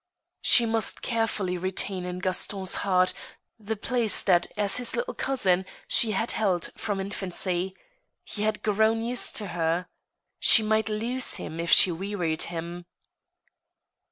She must carefully retain in Gaston's heart the place that as his little cousin she had held from infancy ; he had grown used to her. She might lose him if she wearied him.